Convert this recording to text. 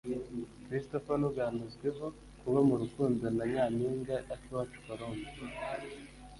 Christopher wanuganuzweho kuba mu rukundo na Nyampinga Akiwacu Colombe